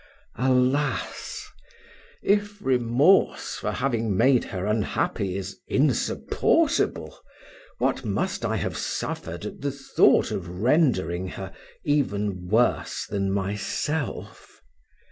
Alas! if remorse for having made her unhappy is insupportable, what must I have suffered at the thought of rendering her even worse than myself.